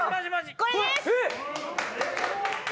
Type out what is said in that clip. これです！